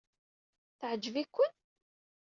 Yeɛjeb-iken?